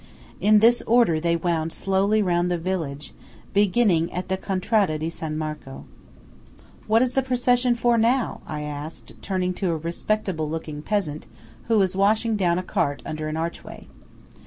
In this order they wound slowly round the village, beginning at the Contrada di San Marco. "What is the procession for now?" I asked, turning to a respectable looking peasant who was washing down a cart under an archway.